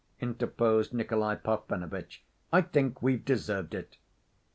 interposed Nikolay Parfenovitch, "I think we've deserved it!"